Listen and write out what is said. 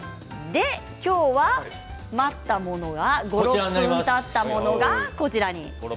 今日は待ったものが５、６分たったものがこちらに。